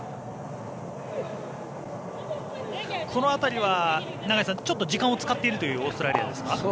この辺りは、永井さんちょっと時間を使っているというオーストラリアですか。